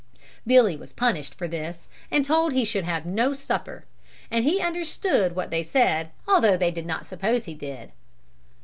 Billy was punished for this and told he should have no supper, and he understood what they said although they did not suppose he did.